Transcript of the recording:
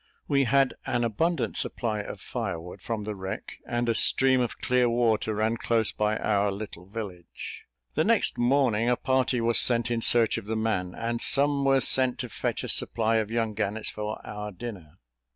We had an abundant supply of fire wood from the wreck, and a stream of clear water ran close by our little village. The next morning, a party was sent in search of the man, and some were sent to fetch a supply of young gannets for our dinner.